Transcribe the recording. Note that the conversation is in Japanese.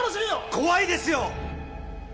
怖いですよ！